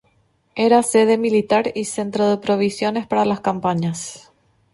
Era sede militar y centro de provisiones para las campañas.